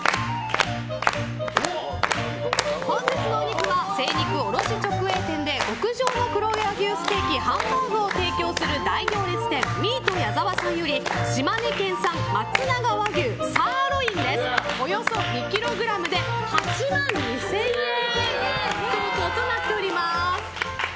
本日のお肉は精肉卸直営店で極上の黒毛和牛ステーキ・ハンバーグを提供する大行列店ミート矢澤さんより島根県産まつなが和牛サーロインおよそ２ｋｇで８万２０００円相当になります。